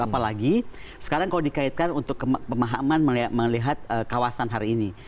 apalagi sekarang kalau dikaitkan untuk pemahaman melihat kawasan hari ini